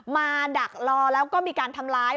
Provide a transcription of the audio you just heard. ดักรอแล้วก็มีการทำร้าย